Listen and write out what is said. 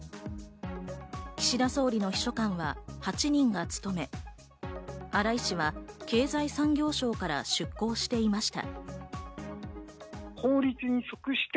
岸田総理の秘書官は８人が務め、荒井氏は経済産業省から出向していました。